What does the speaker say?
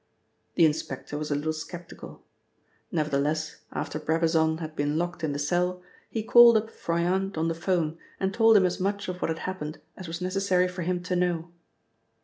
The inspector was a little sceptical. Nevertheless, after Brabazon had been locked in the cell, he called up Froyant on the 'phone and told him as much of what had happened as was necessary for him to know.